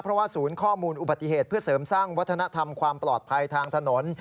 เพราะว่าศูนย์ข้อมูลอุบัติเหตุเพื่อเสริมสร้างวัฒนธรรมความปลอดภัยทางถนน